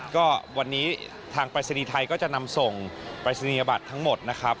ก็วันนี้ทางปรายศนีย์ไทยก็จะนำส่งปรายศนียบัตรทั้งหมดนะครับ